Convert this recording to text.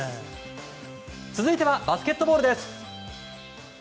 続いてはバスケットボールです。